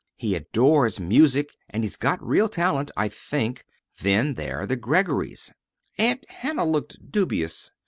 He adores music, and he's got real talent, I think. Then there's the Greggorys." Aunt Hannah looked dubious.